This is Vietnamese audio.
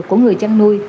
của người chăn nuôi